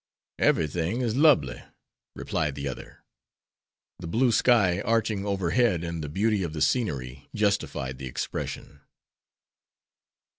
"Everything is lobly," replied the other. The blue sky arching overhead and the beauty of the scenery justified the expression.